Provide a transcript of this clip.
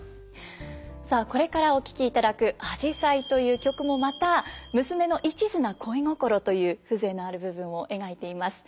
さあこれからお聴きいただく「あじさい」という曲もまた娘の一途な恋心という風情のある部分を描いています。